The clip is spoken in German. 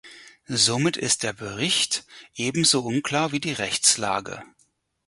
Somit ist der Bericht ebenso unklar wie die Rechtslage.